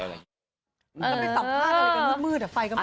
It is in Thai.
ทำไมตอบภาพอะไรกันมืดอ่ะไฟกำลัง